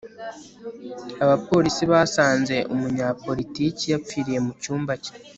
abapolisi basanze umunyapolitiki yapfiriye mu cyumba cye